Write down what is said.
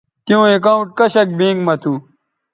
تیوں اکاؤنٹ کشک بینک مہ تھو